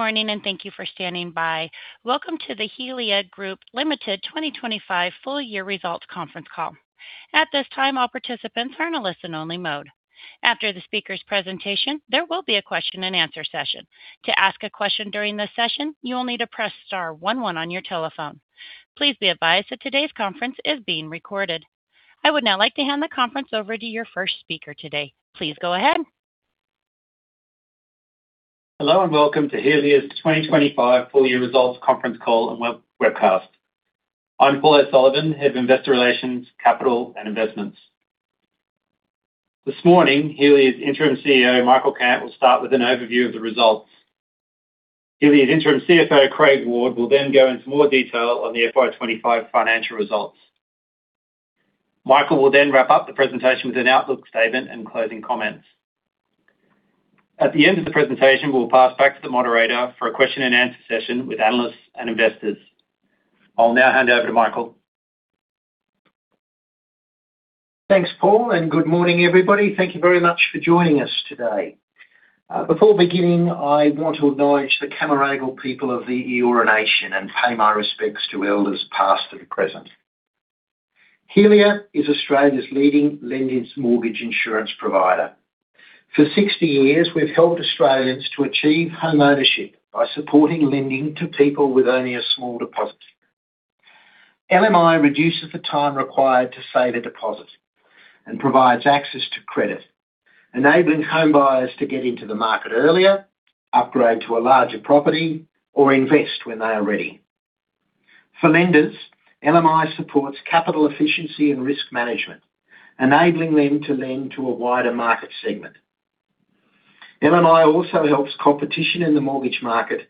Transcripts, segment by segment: Good morning. Thank you for standing by. Welcome to the Helia Group Limited 2025 full year results conference call. At this time, all participants are in a listen-only mode. After the speaker's presentation, there will be a question and answer session. To ask a question during this session, you will need to press star one one on your telephone. Please be advised that today's conference is being recorded. I would now like to hand the conference over to your first speaker today. Please go ahead. Hello, and welcome to Helia's 2025 full year results conference call and webcast. I'm Paul O'Sullivan, Head of Investor Relations, Capital and Investments. This morning, Helia's Interim CEO, Michael Cant, will start with an overview of the results. Helia's Interim CFO, Craig Ward, will then go into more detail on the FY 2025 financial results. Michael will then wrap up the presentation with an outlook statement and closing comments. At the end of the presentation, we'll pass back to the moderator for a question and answer session with analysts and investors. I'll now hand over to Michael. Thanks, Paul, and good morning, everybody. Thank you very much for joining us today. Before beginning, I want to acknowledge the Cammeraygal people of the Eora Nation and pay my respects to elders, past and present. Helia is Australia's leading lending mortgage insurance provider. For 60 years, we've helped Australians to achieve homeownership by supporting lending to people with only a small deposit. LMI reduces the time required to save a deposit and provides access to credit, enabling homebuyers to get into the market earlier, upgrade to a larger property, or invest when they are ready. For lenders, LMI supports capital efficiency and risk management, enabling them to lend to a wider market segment. LMI also helps competition in the mortgage market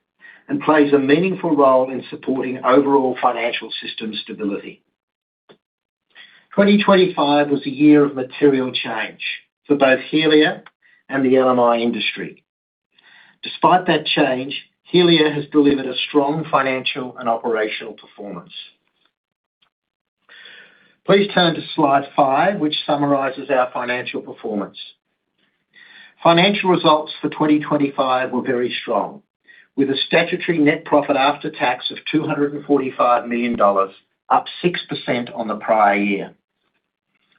and plays a meaningful role in supporting overall financial system stability. 2025 was a year of material change for both Helia and the LMI industry. Despite that change, Helia has delivered a strong financial and operational performance. Please turn to slide 5, which summarizes our financial performance. Financial results for 2025 were very strong, with a statutory net profit after tax of 245 million dollars, up 6% on the prior year.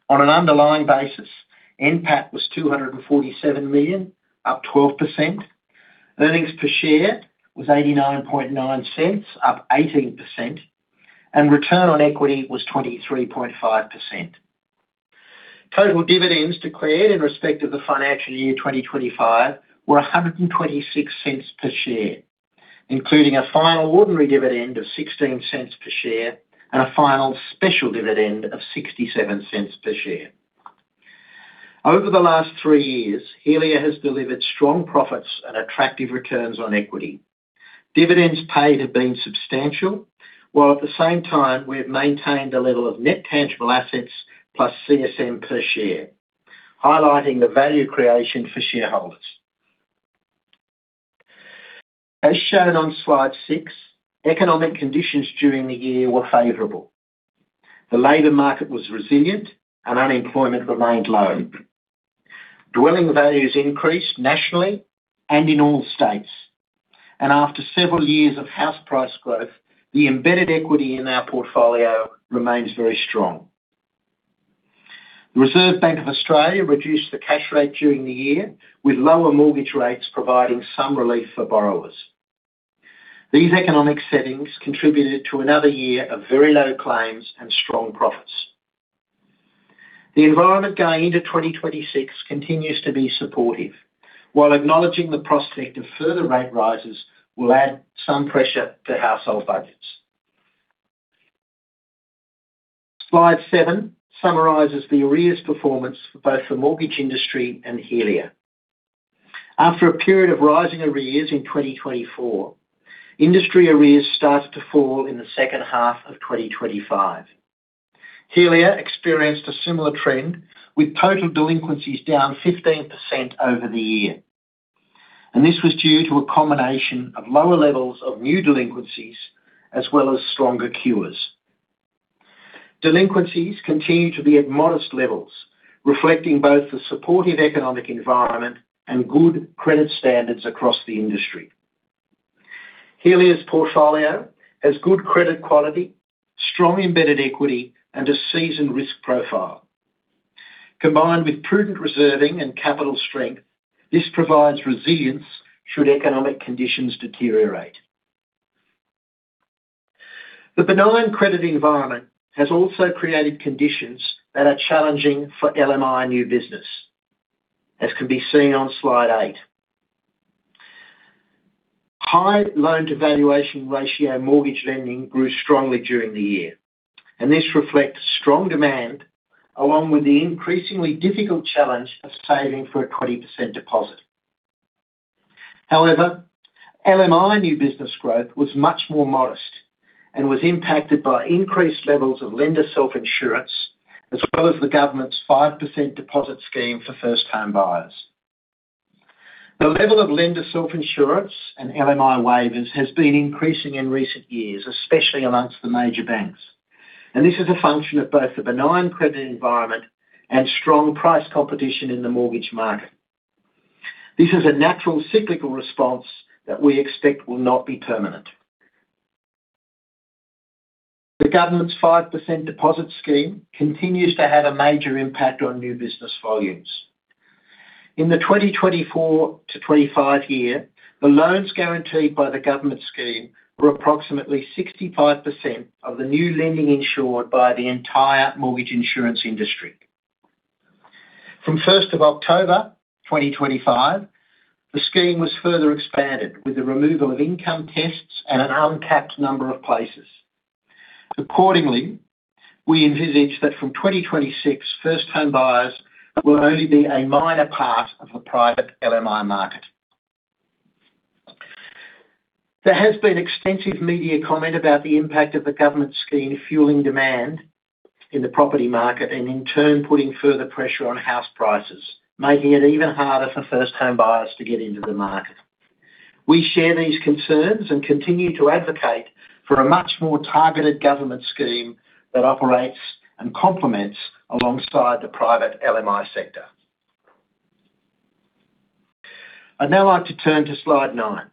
On an underlying basis, NPAT was 247 million, up 12%. Earnings per share was 0.899, up 18%, and return on equity was 23.5%. Total dividends declared in respect of the financial year 2025 were 1.26 per share, including a final ordinary dividend of 0.16 per share and a final special dividend of 0.67 per share. Over the last three years, Helia has delivered strong profits and attractive returns on equity. Dividends paid have been substantial, while at the same time we have maintained a level of net tangible assets plus CSM per share, highlighting the value creation for shareholders. As shown on slide 6, economic conditions during the year were favorable. The labor market was resilient and unemployment remained low. Dwelling values increased nationally and in all states, and after several years of house price growth, the embedded equity in our portfolio remains very strong. The Reserve Bank of Australia reduced the cash rate during the year, with lower mortgage rates providing some relief for borrowers. These economic settings contributed to another year of very low claims and strong profits. The environment going into 2026 continues to be supportive, while acknowledging the prospect of further rate rises will add some pressure to household budgets. Slide 7 summarizes the arrears performance for both the mortgage industry and Helia. After a period of rising arrears in 2024, industry arrears started to fall in the second half of 2025. Helia experienced a similar trend, with total delinquencies down 15% over the year, and this was due to a combination of lower levels of new delinquencies, as well as stronger cures. Delinquencies continue to be at modest levels, reflecting both the supportive economic environment and good credit standards across the industry. Helia's portfolio has good credit quality, strong embedded equity, and a seasoned risk profile. Combined with prudent reserving and capital strength, this provides resilience should economic conditions deteriorate. The benign credit environment has also created conditions that are challenging for LMI new business, as can be seen on slide 8. High loan-to-valuation ratio mortgage lending grew strongly during the year. This reflects strong demand, along with the increasingly difficult challenge of saving for a 20% deposit. However, LMI new business growth was much more modest and was impacted by increased levels of lender self-insurance, as well as the government's 5% deposit scheme for first-time buyers. The level of lender self-insurance and LMI waivers has been increasing in recent years, especially amongst the major banks. This is a function of both the benign credit environment and strong price competition in the mortgage market. This is a natural cyclical response that we expect will not be permanent. The government's 5% deposit scheme continues to have a major impact on new business volumes. In the 2024-2025 year, the loans guaranteed by the government scheme were approximately 65% of the new lending insured by the entire mortgage insurance industry. From 1st of October, 2025, the scheme was further expanded with the removal of income tests and an uncapped number of places. Accordingly, we envisage that from 2026, first home buyers will only be a minor part of the private LMI market. There has been extensive media comment about the impact of the government scheme fueling demand in the property market, and in turn, putting further pressure on house prices, making it even harder for first home buyers to get into the market. We share these concerns and continue to advocate for a much more targeted government scheme that operates and complements alongside the private LMI sector. I'd now like to turn to slide 9.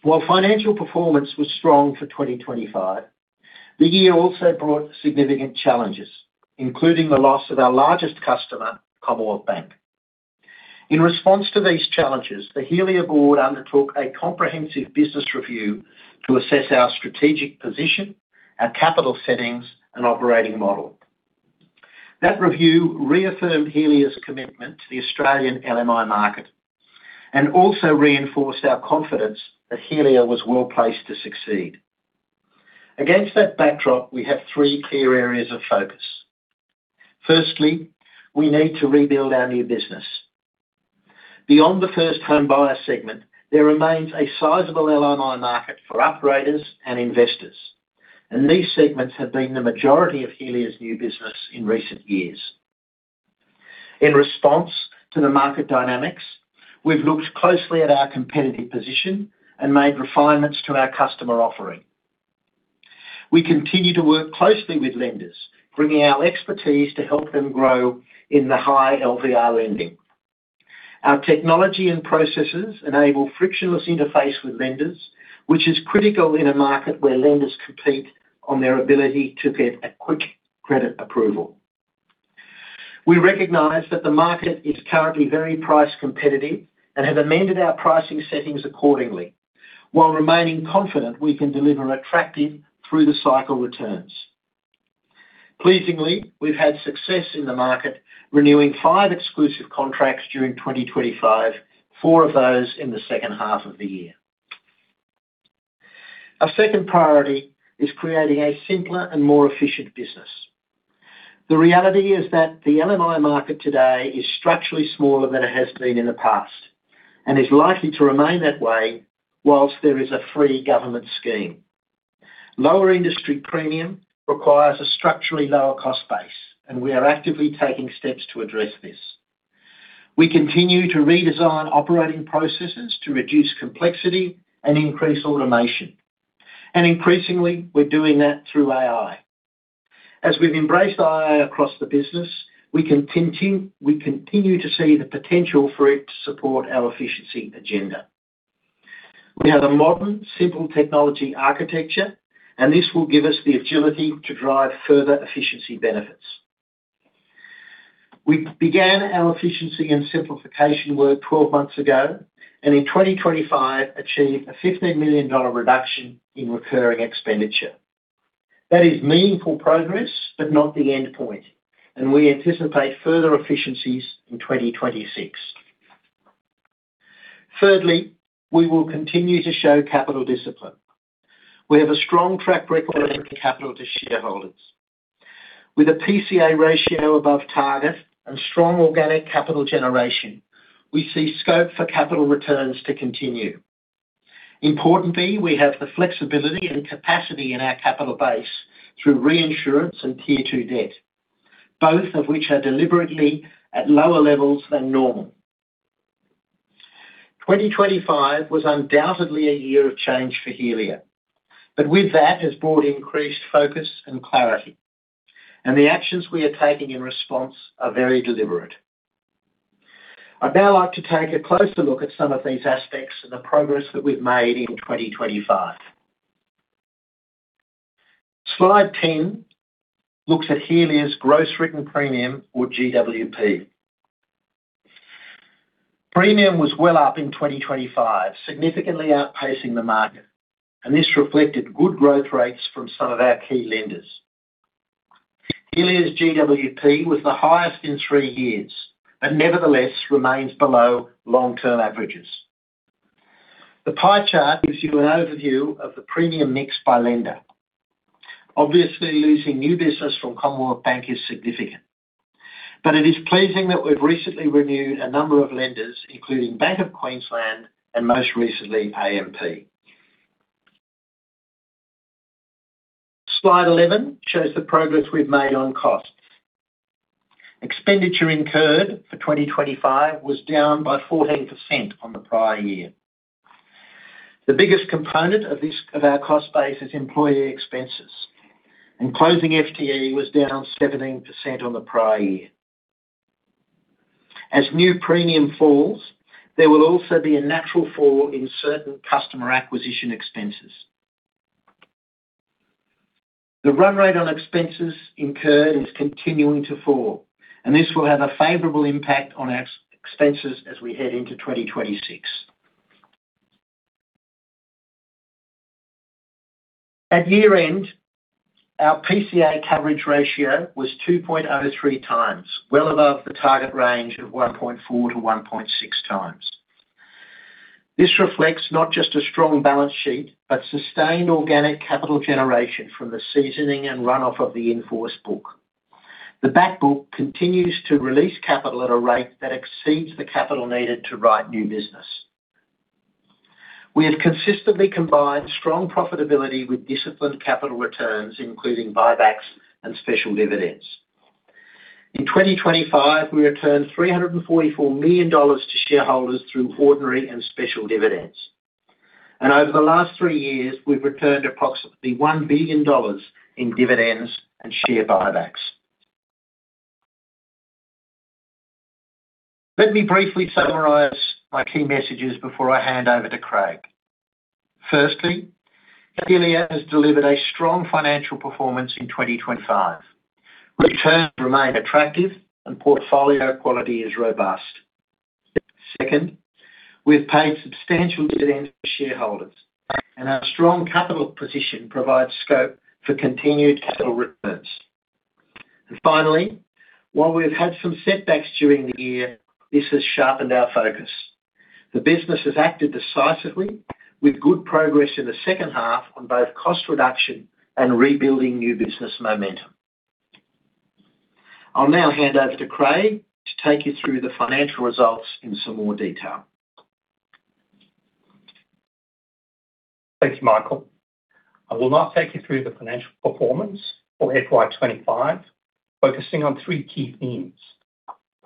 While financial performance was strong for 2025, the year also brought significant challenges, including the loss of our largest customer, Commonwealth Bank. In response to these challenges, the Helia board undertook a comprehensive business review to assess our strategic position, our capital settings, and operating model. That review reaffirmed Helia's commitment to the Australian LMI market, and also reinforced our confidence that Helia was well-placed to succeed. Against that backdrop, we have three clear areas of focus: firstly, we need to rebuild our new business. Beyond the first home buyer segment, there remains a sizable LMI market for upgraders and investors, and these segments have been the majority of Helia's new business in recent years. In response to the market dynamics, we've looked closely at our competitive position and made refinements to our customer offering. We continue to work closely with lenders, bringing our expertise to help them grow in the high LVR lending. Our technology and processes enable frictionless interface with lenders, which is critical in a market where lenders compete on their ability to get a quick credit approval. We recognize that the market is currently very price competitive and have amended our pricing settings accordingly, while remaining confident we can deliver attractive through the cycle returns. Pleasingly, we've had success in the market, renewing five exclusive contracts during 2025, four of those in the second half of the year. Our second priority is creating a simpler and more efficient business. The reality is that the LMI market today is structurally smaller than it has been in the past, and is likely to remain that way while there is a free government scheme. Lower industry premium requires a structurally lower cost base, and we are actively taking steps to address this. We continue to redesign operating processes to reduce complexity and increase automation, increasingly, we're doing that through AI. As we've embraced AI across the business, we continue to see the potential for it to support our efficiency agenda. We have a modern, simple technology architecture, this will give us the agility to drive further efficiency benefits. We began our efficiency and simplification work 12 months ago, in 2025, achieved an 15 million dollar reduction in recurring expenditure. That is meaningful progress, not the endpoint, we anticipate further efficiencies in 2026. Thirdly, we will continue to show capital discipline. We have a strong track record of capital to shareholders. With a PCA ratio above target and strong organic capital generation, we see scope for capital returns to continue. Importantly, we have the flexibility and capacity in our capital base through reinsurance and Tier 2 debt, both of which are deliberately at lower levels than normal. 2025 was undoubtedly a year of change for Helia, with that has brought increased focus and clarity, and the actions we are taking in response are very deliberate. I'd now like to take a closer look at some of these aspects and the progress that we've made in 2025. Slide 10 looks at Helia's gross written premium or GWP. Premium was well up in 2025, significantly outpacing the market, this reflected good growth rates from some of our key lenders. Helia's GWP was the highest in 3 years, nevertheless remains below long-term averages. The pie chart gives you an overview of the premium mix by lender. Obviously, losing new business from Commonwealth Bank is significant, but it is pleasing that we've recently renewed a number of lenders, including Bank of Queensland and most recently, AMP. Slide 11 shows the progress we've made on costs. Expenditure incurred for 2025 was down by 14% on the prior year. The biggest component of this, of our cost base is employee expenses, and closing FTE was down 17% on the prior year. As new premium falls, there will also be a natural fall in certain customer acquisition expenses. The run rate on expenses incurred is continuing to fall, and this will have a favorable impact on our ex-expenses as we head into 2026. At year-end, our PCA coverage ratio was 2.03x, well above the target range of 1.4-1.6x. This reflects not just a strong balance sheet, but sustained organic capital generation from the seasoning and runoff of the in-force book. The back book continues to release capital at a rate that exceeds the capital needed to write new business. We have consistently combined strong profitability with disciplined capital returns, including buybacks and special dividends. In 2025, we returned 344 million dollars to shareholders through ordinary and special dividends. Over the last three years, we've returned approximately 1 billion dollars in dividends and share buybacks. Let me briefly summarize my key messages before I hand over to Craig. Firstly, Helia has delivered a strong financial performance in 2025. Returns remain attractive and portfolio quality is robust. Second, we've paid substantial dividends to shareholders. Our strong capital position provides scope for continued capital returns. Finally, while we've had some setbacks during the year, this has sharpened our focus. The business has acted decisively, with good progress in the second half on both cost reduction and rebuilding new business momentum. I'll now hand over to Craig to take you through the financial results in some more detail. Thank you, Michael. I will now take you through the financial performance for FY 2025, focusing on three key themes.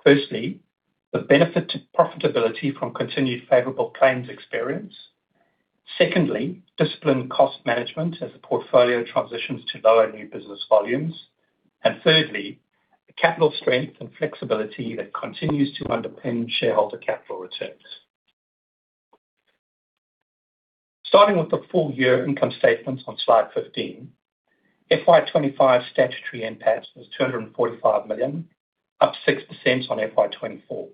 Firstly, the benefit to profitability from continued favorable claims experience. Secondly, disciplined cost management as the portfolio transitions to lower new business volumes. Thirdly, the capital strength and flexibility that continues to underpin shareholder capital returns. Starting with the full year income statement on slide 15, FY 2025 statutory NPAT was 245 million, up 6% on FY 2024,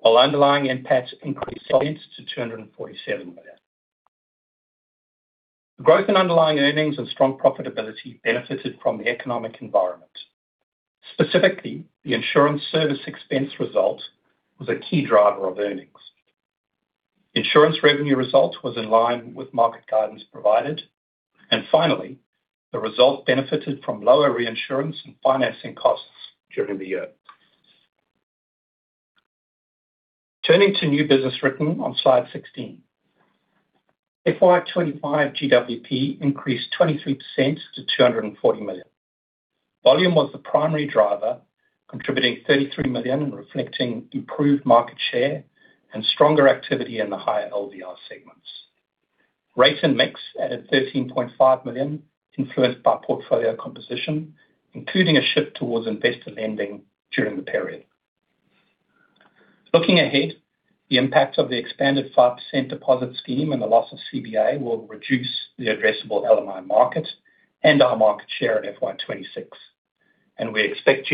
while underlying NPAT increased to 247 million. The growth in underlying earnings and strong profitability benefited from the economic environment. Specifically, the insurance service expense result was a key driver of earnings. Insurance revenue results was in line with market guidance provided. Finally, the result benefited from lower reinsurance and financing costs during the year. Turning to new business written on slide 16. FY 2025 GWP increased 23% to 240 million. Volume was the primary driver, contributing 33 million, reflecting improved market share and stronger activity in the higher LDR segments. Rate and mix added 13.5 million, influenced by portfolio composition, including a shift towards investor lending during the period. Looking ahead, the impact of the expanded 5% deposit scheme and the loss of CBA will reduce the addressable LMI market and our market share in FY 2026. We expect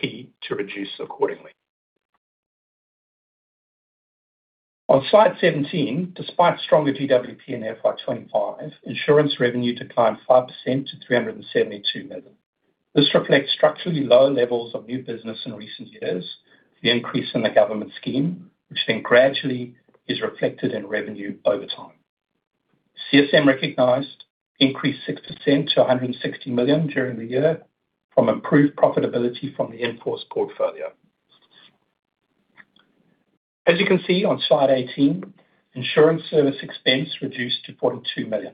GWP to reduce accordingly. On slide 17, despite stronger GWP in FY 2025, insurance revenue declined 5% to 372 million. This reflects structurally lower levels of new business in recent years, the increase in the government scheme, which then gradually is reflected in revenue over time. CSM recognized increased 6% to 160 million during the year from improved profitability from the in-force portfolio. As you can see on slide 18, insurance service expense reduced to 42 million.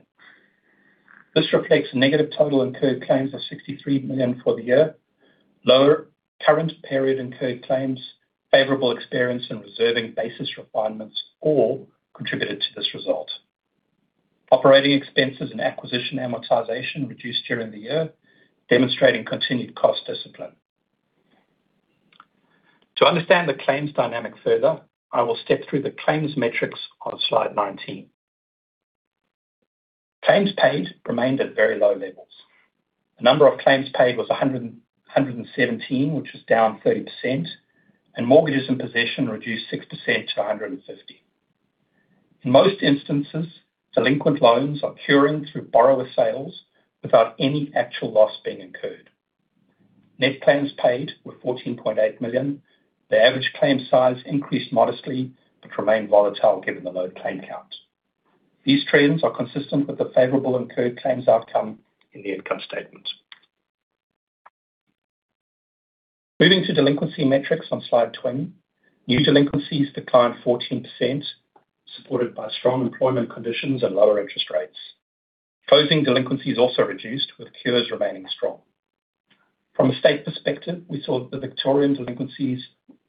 This reflects a negative total incurred claims of 63 million for the year. Lower current period incurred claims, favorable experience, and reserving basis requirements all contributed to this result. Operating expenses and acquisition amortization reduced during the year, demonstrating continued cost discipline. To understand the claims dynamic further, I will step through the claims metrics on slide 19. Claims paid remained at very low levels. The number of claims paid was 117, which is down 30%, and mortgages in possession reduced 6% to 150. In most instances, delinquent loans are curing through borrower sales without any actual loss being incurred. Net claims paid were 14.8 million. The average claim size increased modestly, but remained volatile given the low claim count. These trends are consistent with the favorable incurred claims outcome in the income statement. Moving to delinquency metrics on slide 20, new delinquencies declined 14%, supported by strong employment conditions and lower interest rates. Closing delinquencies also reduced, with cures remaining strong. From a state perspective, we saw the Victorian delinquencies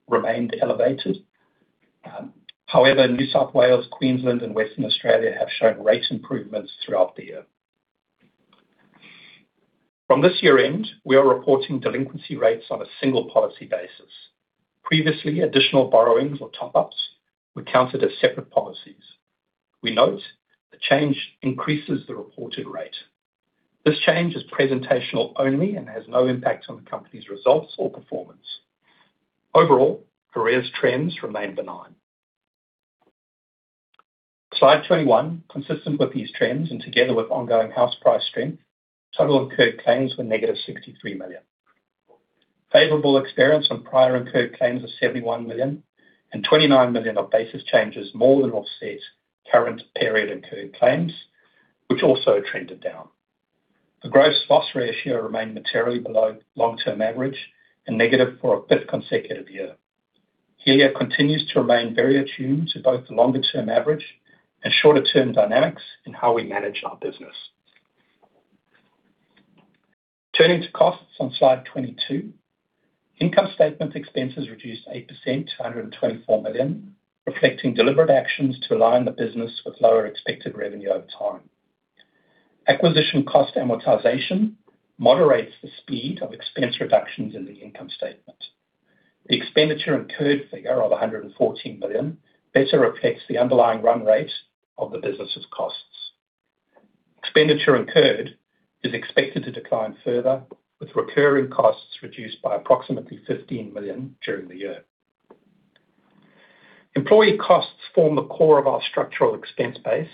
remained elevated. However, New South Wales, Queensland, and Western Australia have shown great improvements throughout the year. From this year end, we are reporting delinquency rates on a single policy basis. Previously, additional borrowings or top-ups were counted as separate policies. We note the change increases the reported rate. This change is presentational only and has no impact on the company's results or performance. Overall, cures trends remain benign. Slide 21, consistent with these trends, and together with ongoing house price strength, total incurred claims were negative 63 million. Favorable experience on prior incurred claims of 71 million and 29 million of basis changes more than offset current period incurred claims, which also trended down. The gross loss ratio remained materially below long-term average and negative for a fifth consecutive year. Here, it continues to remain very attuned to both the longer-term average and shorter-term dynamics in how we manage our business. Turning to costs on slide 22, income statement expenses reduced 8% to 124 million, reflecting deliberate actions to align the business with lower expected revenue over time. Acquisition cost amortization moderates the speed of expense reductions in the income statement. The expenditure incurred figure of 114 million, better reflects the underlying run rate of the business's costs. Expenditure incurred is expected to decline further, with recurring costs reduced by approximately 15 million during the year. Employee costs form the core of our structural expense base.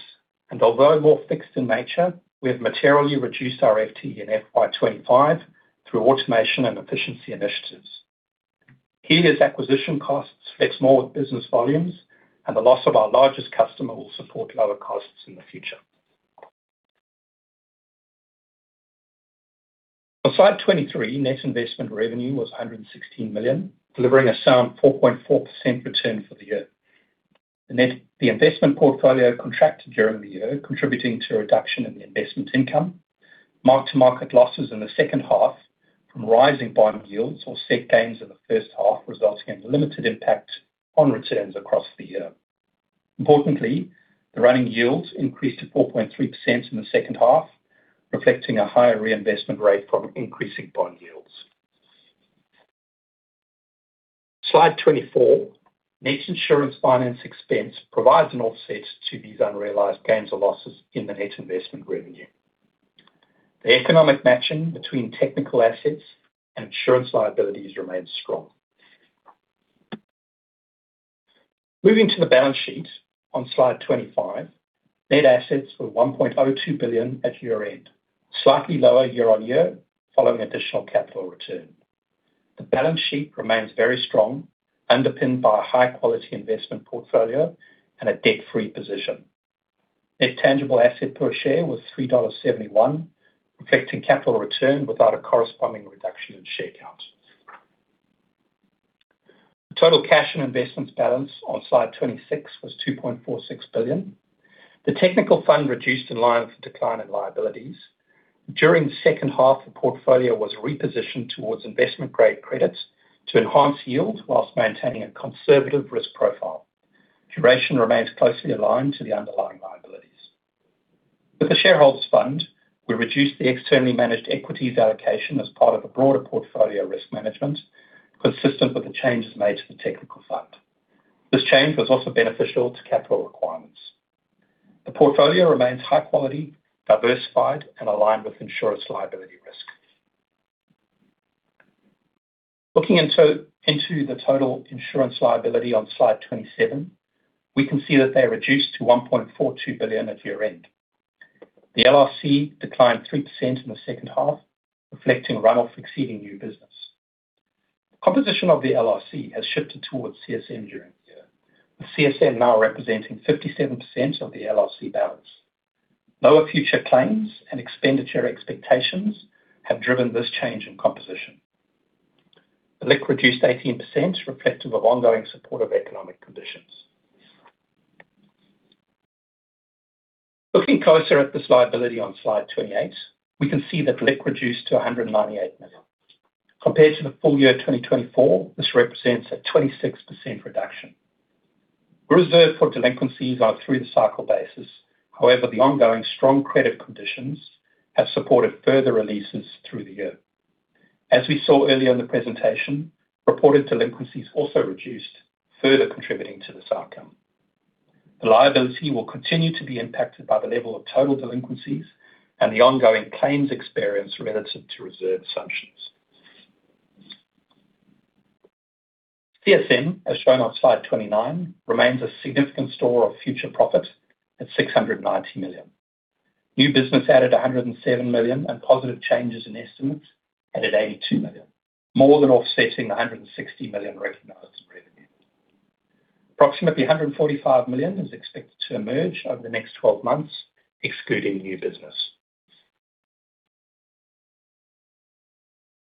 Although more fixed in nature, we have materially reduced our FTE and FY 2025 through automation and efficiency initiatives. Here, as acquisition costs fits more with business volumes. The loss of our largest customer will support lower costs in the future. On slide 23, net investment revenue was 116 million, delivering a sound 4.4% return for the year. The investment portfolio contracted during the year, contributing to a reduction in the investment income. Mark-to-market losses in the second half from rising bond yields or set gains in the first half, resulting in limited impact on returns across the year. Importantly, the running yields increased to 4.3% in the second half, reflecting a higher reinvestment rate from increasing bond yields. Slide 24, next, insurance finance expense provides an offset to these unrealized gains or losses in the net investment revenue. The economic matching between technical assets and insurance liabilities remains strong. Moving to the balance sheet on slide 25, net assets were 1.02 billion at year-end, slightly lower year-on-year, following additional capital return. The balance sheet remains very strong, underpinned by a high-quality investment portfolio and a debt-free position. Net tangible asset per share was 3.71 dollars, reflecting capital return without a corresponding reduction in share count. Total cash and investments balance on slide 26 was 2.46 billion. The technical fund reduced in line with the decline in liabilities. During the second half, the portfolio was repositioned towards investment-grade credits to enhance yields while maintaining a conservative risk profile. Duration remains closely aligned to the underlying liabilities. With the shareholders fund, we reduced the externally managed equities allocation as part of a broader portfolio risk management, consistent with the changes made to the technical fund. This change was also beneficial to capital requirements. The portfolio remains high quality, diversified, and aligned with insurance liability risk. Looking into the total insurance liability on slide 27, we can see that they reduced to 1.42 billion at year-end. The LLC declined 3% in the second half, reflecting run-off exceeding new business. Composition of the LLC has shifted towards CSM during the year, with CSM now representing 57% of the LLC balance. Lower future claims and expenditure expectations have driven this change in composition. The LIC reduced 18%, reflective of ongoing supportive economic conditions. Looking closer at this liability on slide 28, we can see that LIC reduced to 198 million. Compared to the full year of 2024, this represents a 26% reduction. Reserve for delinquencies are through the cycle basis. However, the ongoing strong credit conditions have supported further releases through the year. As we saw earlier in the presentation, reported delinquencies also reduced, further contributing to this outcome. The liability will continue to be impacted by the level of total delinquencies and the ongoing claims experience relative to reserve assumptions. CSM, as shown on slide 29, remains a significant store of future profit at 690 million. New business added 107 million, positive changes in estimates added 82 million, more than offsetting the 160 million recognized in revenue. Approximately 145 million is expected to emerge over the next 12 months, excluding new business.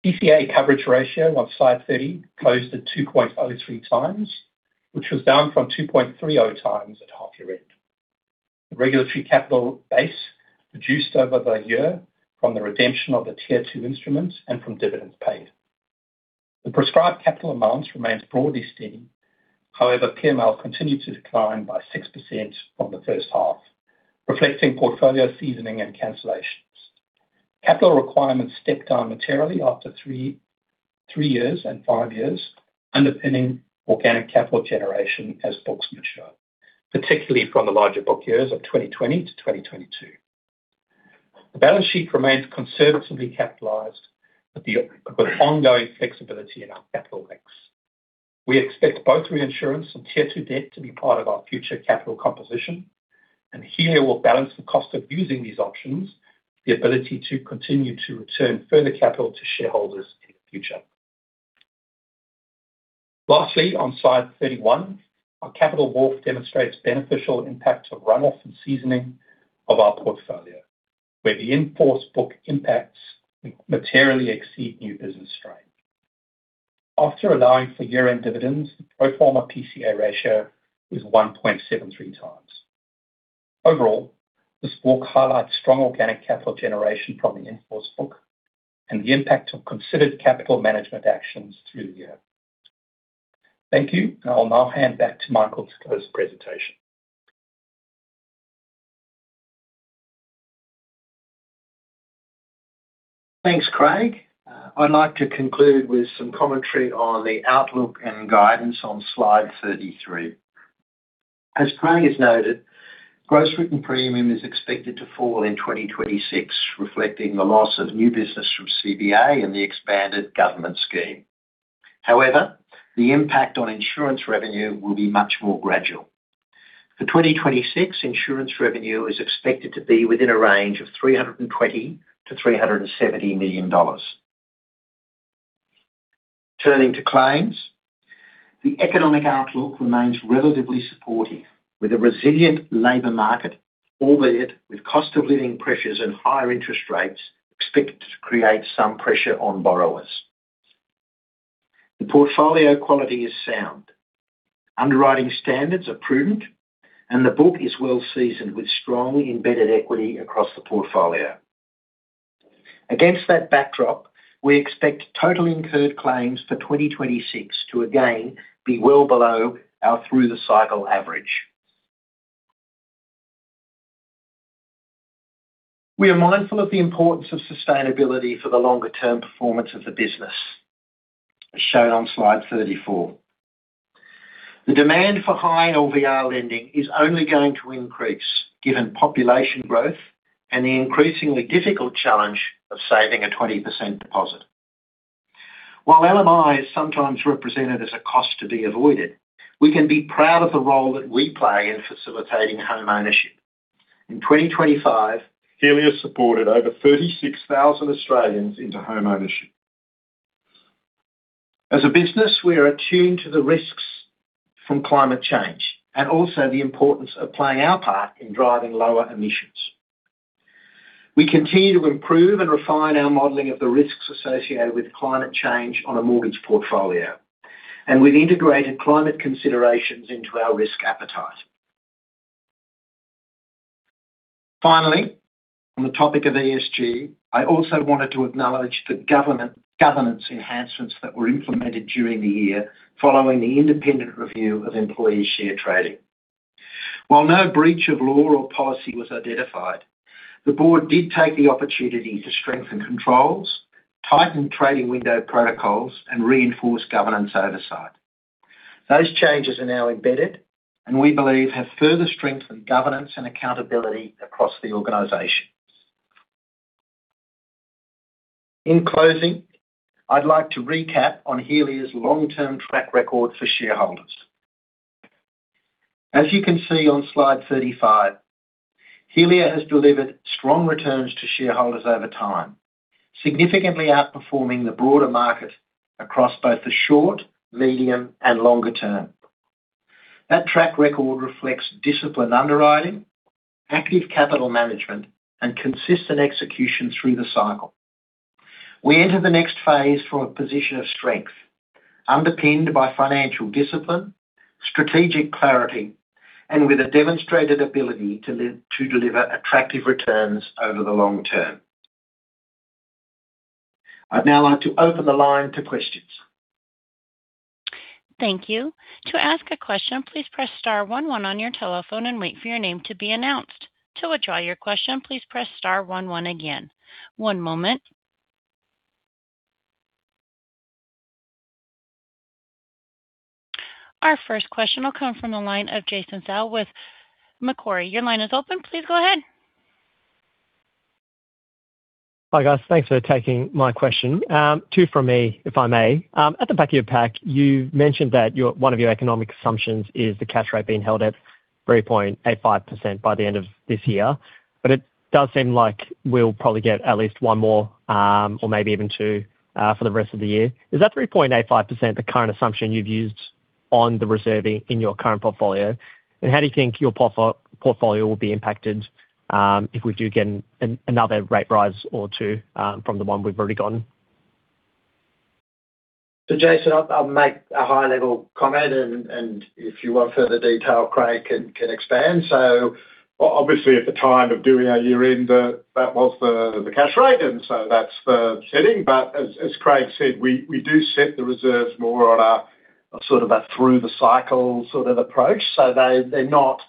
PCA coverage ratio on slide 30 closed at 2.03 times, which was down from 2.3x at half year-end. The regulatory capital base reduced over the year from the redemption of the Tier 2 instruments and from dividends paid. The prescribed capital amounts remains broadly steady. PML continued to decline by 6% from the first half, reflecting portfolio seasoning and cancellations. Capital requirements stepped down materially after three years and five years, underpinning organic capital generation as books mature, particularly from the larger book years of 2020 to 2022. The balance sheet remains conservatively capitalized, but with ongoing flexibility in our capital mix. We expect both reinsurance and Tier 2 debt to be part of our future capital composition, and here we'll balance the cost of using these options, the ability to continue to return further capital to shareholders in the future. Lastly, on slide 31, our capital walk demonstrates beneficial impact of run-off and seasoning of our portfolio, where the in-force book impacts materially exceed new business strain. After allowing for year-end dividends, the pro forma PCA ratio is 1.73x. Overall, this walk highlights strong organic capital generation from the in-force book and the impact of considered capital management actions through the year. Thank you, and I'll now hand back to Michael to close the presentation. Thanks, Craig. I'd like to conclude with some commentary on the outlook and guidance on slide 33. As Craig has noted, gross written premium is expected to fall in 2026, reflecting the loss of new business from CBA and the expanded government scheme. The impact on insurance revenue will be much more gradual. For 2026, insurance revenue is expected to be within a range of 320 million-370 million dollars. Turning to claims, the economic outlook remains relatively supportive, with a resilient labor market, albeit with cost of living pressures and higher interest rates expected to create some pressure on borrowers. The portfolio quality is sound, underwriting standards are prudent, and the book is well seasoned with strongly embedded equity across the portfolio. Against that backdrop, we expect total incurred claims for 2026 to again be well below our through-the-cycle average. We are mindful of the importance of sustainability for the longer-term performance of the business, as shown on slide 34. The demand for high LVR lending is only going to increase given population growth and the increasingly difficult challenge of saving a 20% deposit. While LMI is sometimes represented as a cost to be avoided, we can be proud of the role that we play in facilitating homeownership. In 2025, Helia supported over 36,000 Australians into homeownership. As a business, we are attuned to the risks from climate change and also the importance of playing our part in driving lower emissions. We continue to improve and refine our modeling of the risks associated with climate change on a mortgage portfolio. We've integrated climate considerations into our risk appetite. Finally, on the topic of ESG, I also wanted to acknowledge the governance enhancements that were implemented during the year following the independent review of employee share trading. While no breach of law or policy was identified, the board did take the opportunity to strengthen controls, tighten trading window protocols, and reinforce governance oversight. Those changes are now embedded and we believe have further strengthened governance and accountability across the organization. In closing, I'd like to recap on Helia's long-term track record for shareholders. As you can see on slide 35, Helia has delivered strong returns to shareholders over time, significantly outperforming the broader market across both the short, medium, and longer term. That track record reflects disciplined underwriting, active capital management, and consistent execution through the cycle. We enter the next phase from a position of strength, underpinned by financial discipline, strategic clarity, and with a demonstrated ability to deliver attractive returns over the long term. I'd now like to open the line to questions. Thank you. To ask a question, please press star one one on your telephone and wait for your name to be announced. To withdraw your question, please press star one one again. One moment. Our first question will come from the line of Jason Shao with Macquarie. Your line is open. Please go ahead. Hi, guys. Thanks for taking my question. Two from me, if I may. At the back of your pack, you mentioned that one of your economic assumptions is the cash rate being held at 3.85% by the end of this year, but it does seem like we'll probably get at least one more, or maybe even two, for the rest of the year. Is that 3.85% the current assumption you've used on the reserving in your current portfolio? How do you think your portfolio will be impacted, if we do get another rate rise or two, from the one we've already gotten? Jason, I'll make a high-level comment, and if you want further detail, Craig can expand. Obviously, at the time of doing our year-end, that was the cash rate, and that's the setting. But as Craig said, we do set the reserves more on a sort of a through-the-cycle sort of approach. They're not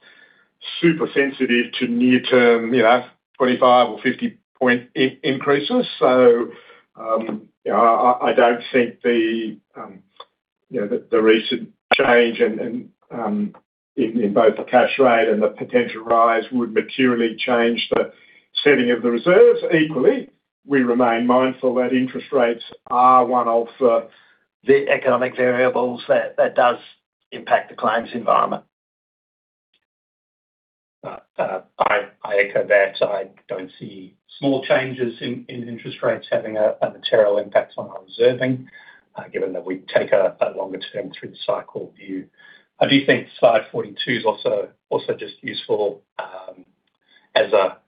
super sensitive to near-term, you know, 25 or 50 point increases. You know, I don't think the, you know, the recent change and in both the cash rate and the potential rise would materially change the setting of the reserves. Equally, we remain mindful that interest rates are one of the economic variables that does impact the claims environment. I echo that. I don't see small changes in interest rates having a material impact on our reserving, given that we take a longer-term through-the-cycle view. I do think slide 42 is also just useful, as a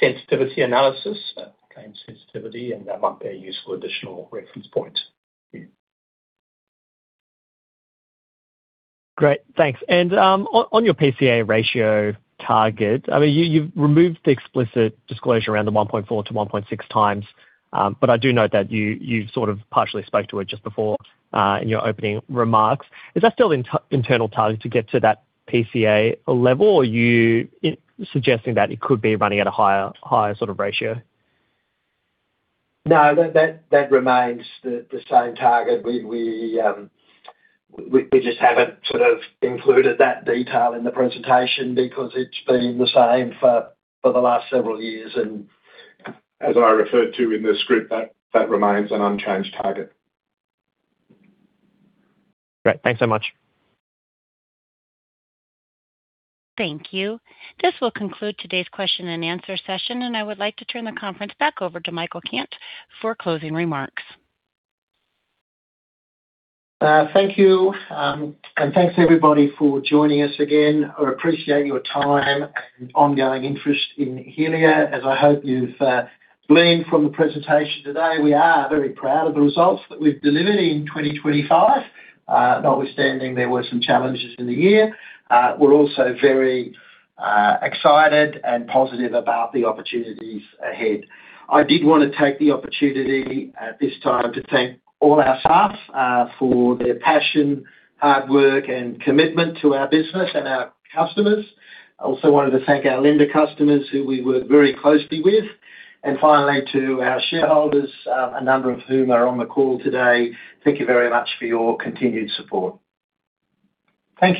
sensitivity analysis, claim sensitivity, and that might be a useful additional reference point. Great, thanks. On your PCA ratio target, I mean, you've removed the explicit disclosure around the 1.4-1.6x. I do note that you sort of partially spoke to it just before in your opening remarks. Is that still an internal target to get to that PCA level, or you suggesting that it could be running at a higher sort of ratio? No, that remains the same target. We just haven't sort of included that detail in the presentation because it's been the same for the last several years. As I referred to in the script, that remains an unchanged target. Great, thanks so much. Thank you. This will conclude today's question and answer session, and I would like to turn the conference back over to Michael Cant for closing remarks. Thank you. Thanks everybody for joining us again. I appreciate your time and ongoing interest in Helia. As I hope you've gleaned from the presentation today, we are very proud of the results that we've delivered in 2025. Notwithstanding, there were some challenges in the year. We're also very excited and positive about the opportunities ahead. I did wanna take the opportunity at this time to thank all our staff for their passion, hard work, and commitment to our business and our customers. I also wanted to thank our lender customers, who we work very closely with. Finally, to our shareholders, a number of whom are on the call today, thank you very much for your continued support. Thank you.